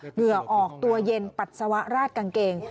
เหงื่อออกตัวเย็นปัสสาวะราดกางเกง